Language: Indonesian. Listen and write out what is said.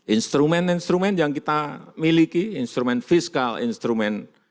instrumen instrumen yang kita miliki instrumen fiskal instrumen